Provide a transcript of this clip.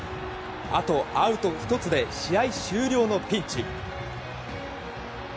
あとアウト１つで試合終了のピンチ。